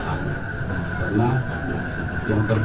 karena yang terduga melakukan pemeriksaan itu